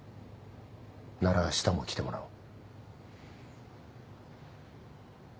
ならあしたも来てもらおう。